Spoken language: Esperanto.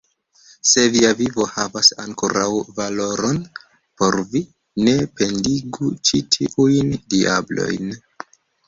Se via vivo havas ankoraŭ valoron por vi, ne pendigu ĉi tiujn diablojn!